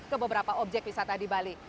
ke beberapa objek wisata di bali